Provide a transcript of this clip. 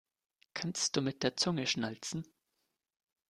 Kannst du mit der Zunge schnalzen?